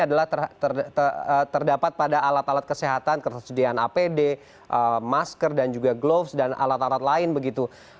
adalah terdapat pada alat alat kesehatan ketersediaan apd masker dan juga gloves dan alat alat lain begitu